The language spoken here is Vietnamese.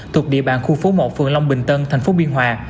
thuộc địa bàn khu phố một phường long bình tân thành phố biên hòa